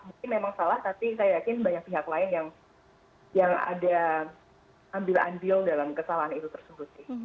mungkin memang salah tapi saya yakin banyak pihak lain yang ada ambil ambil dalam kesalahan itu tersebut